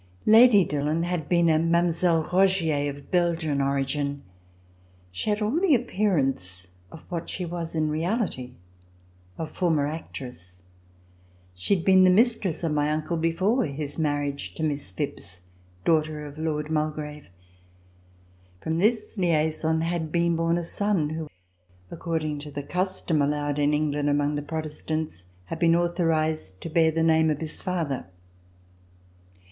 Lady Dillon had been a Mile. Rogier of Belgian origin. She had all the appearance of what she was in reality, a former actress. She had been the mistress of my uncle before his marriage to Miss Phipps, daughter of Lord Mul grave. From this liaison had been born a son who, according to the custom allowed in England among the Protestants, had been authorized to bear the name of his father.